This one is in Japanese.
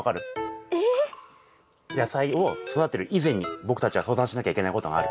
野菜を育てる以前に僕たちは相談しなきゃいけないことがある。